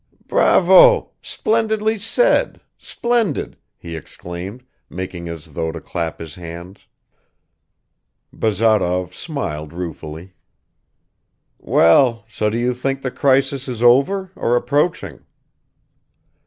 "Bravo! splendidly said, splendid!" he exclaimed, making as though to clap his hands. Bazarov smiled ruefully. "Well, so do you think the crisis is over or approaching?"